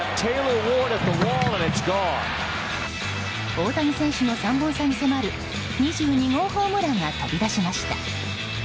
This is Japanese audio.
大谷選手の３本差に迫る２２号ホームランが飛び出しました。